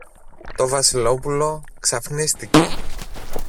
Το Βασιλόπουλο ξαφνίστηκε.